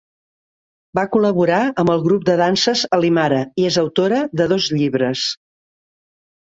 Va col·laborar amb el grup de danses Alimara i és autora de dos llibres.